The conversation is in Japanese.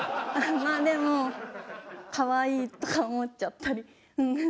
まあでも可愛いとか思っちゃったり。